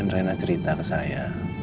rena cerita ke saya